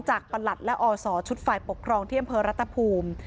ประหลัดและอศชุดฝ่ายปกครองที่อำเภอรัฐภูมิ